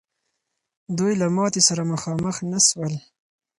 دوی له ماتي سره مخامخ نه سول.